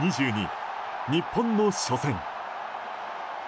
日本の初戦。